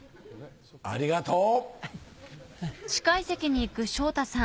ありがとう。